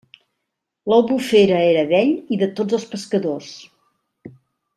L'Albufera era d'ell i de tots els pescadors.